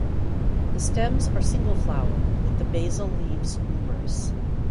The stems are single-flowered, with the basal leaves numerous.